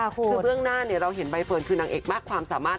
คือเบื้องหน้าเราเห็นใบเฟิร์นคือนางเอกมากความสามารถ